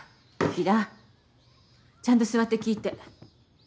晶ちゃんと座って聞いて。